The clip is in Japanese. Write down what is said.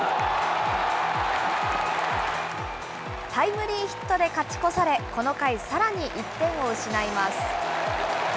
タイムリーヒットで勝ち越され、この回、さらに１点を失います。